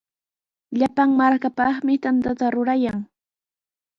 Llapan markapaqmi tantata rurayan.